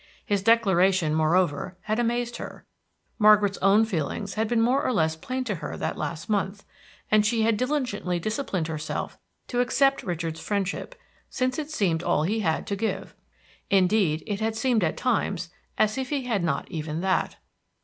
His declaration, moreover, had amazed her. Margaret's own feelings had been more or less plain to her that past month, and she had diligently disciplined herself to accept Richard's friendship, since it seemed all he had to give. Indeed, it had seemed at times as if he had not even that.